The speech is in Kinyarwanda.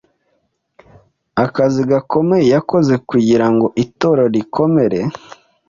akazi gakomeye yakoze kugira ngo Itorero rikomere